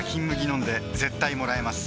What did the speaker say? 飲んで絶対もらえます